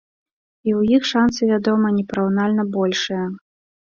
І ў іх шанцы, вядома, непараўнальна большыя.